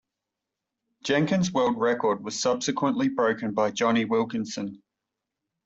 Jenkins' world record was subsequently broken by Jonny Wilkinson.